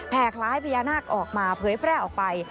คล้ายพญานาคออกมาเผยแพร่ออกไป